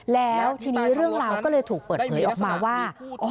แล้วทีนี้เรื่องราวก็เลยถูกเปิดเผยออกมาว่า